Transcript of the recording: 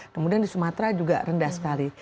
kemudian di sumatera juga rendah sekali